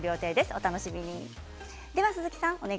お楽しみに。